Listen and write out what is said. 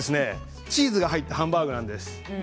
チーズが入ったハンバーグなんです。